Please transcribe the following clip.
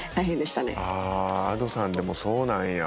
Ａｄｏさんでもそうなんや。